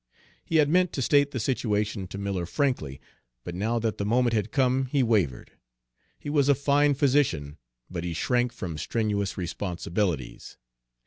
He had meant to state the situation to Miller frankly, but now that the moment had come he wavered. He was a fine physician, but he shrank from strenuous responsibilities.